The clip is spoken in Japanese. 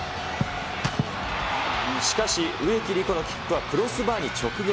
しかし、植木理子のキックはクロスバーに直撃。